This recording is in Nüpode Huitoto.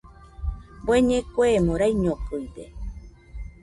Bueñe kuemo raiñokɨide